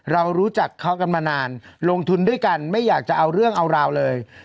เรารู้จักเขากันมานานลงทุนด้วยกันไม่อยากจะเอาเรื่องเอาราวเลย